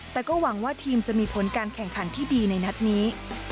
แต่ก็หวังว่าทีมจะมีผลการแข่งขันที่ดีในนัดนี้